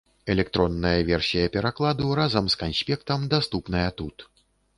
Электронная версія перакладу разам з канспектам даступная тут.